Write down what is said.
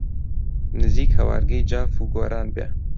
نزیک هەوارگەی جاف و گۆران بێ